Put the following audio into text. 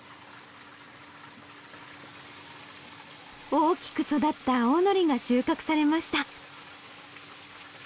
大きく育った青のりが収穫されました！